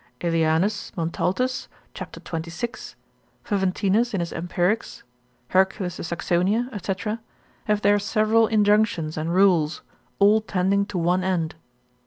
Aelianus Montaltus cap. 26. Faventinus in his empirics, Hercules de Saxonia, &c., have their several injunctions and rules, all tending to one end.